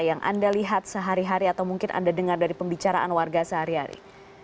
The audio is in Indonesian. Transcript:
yang anda lihat sehari hari atau mungkin anda dengar dari pembicaraan warga sehari hari